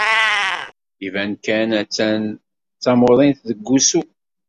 Iban kan attan d tamuḍint deg wusu.